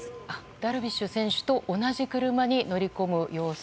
ダルビッシュ選手と同じ車に乗り込む様子。